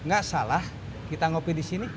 gak salah kita ngopi di sini